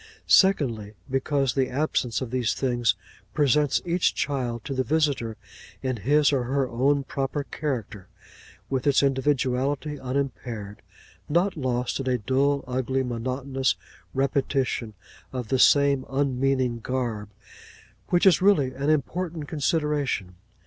Secondly, because the absence of these things presents each child to the visitor in his or her own proper character, with its individuality unimpaired; not lost in a dull, ugly, monotonous repetition of the same unmeaning garb: which is really an important consideration.